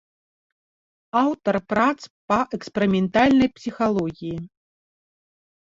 Аўтар прац па эксперыментальнай псіхалогіі.